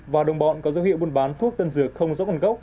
và đồng bọn có dấu hiệu buôn bán thuốc tân dược không rõ nguồn gốc